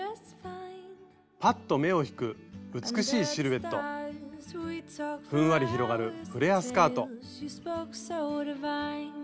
ぱっと目を引く美しいシルエットふんわり広がるフレアスカート。